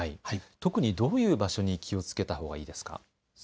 特にどういう場所に気をつけたほうがいいですか。